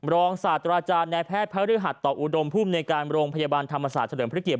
ลองสาธาราจาแนแพทย์ภรรษฐต่ออุทธรมนภูมิในการโรงพยาบาลธรรมศาสน์เทริญพระเกียรติ